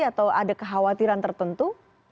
atau ada kekhawatiran tertentu